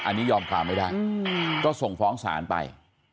อันนี้ยอมความไม่ได้ก็ส่งฟ้องศาลไป